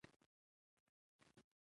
احمدشاه بابا د دراني امپراتورۍ بنسټ کېښود.